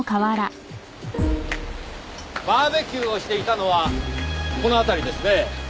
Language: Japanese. バーベキューをしていたのはこの辺りですね。